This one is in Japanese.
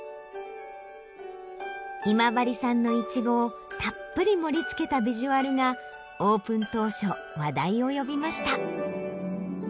今治産のイチゴをたっぷり盛りつけたビジュアルがオープン当初話題を呼びました。